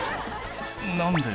「何で？